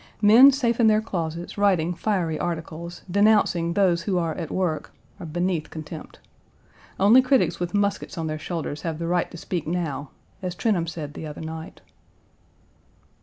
Men safe in their closets writing fiery articles, denouncing those who are at work, are beneath contempt. Only critics with muskets on their shoulders have the right to speak now, as Trenholm said the other night.